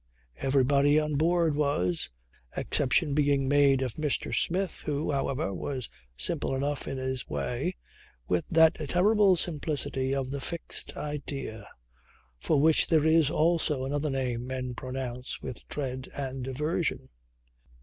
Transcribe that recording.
Everybody on board was, exception being made of Mr. Smith who, however, was simple enough in his way, with that terrible simplicity of the fixed idea, for which there is also another name men pronounce with dread and aversion.